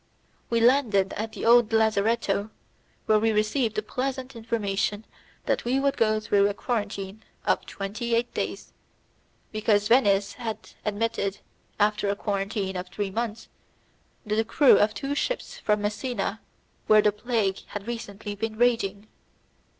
We landed at the old lazzaretto, where we received the pleasant information that we would go through a quarantine of twenty eight days, because Venice had admitted, after a quarantine of three months, the crew of two ships from Messina, where the plague had recently been raging.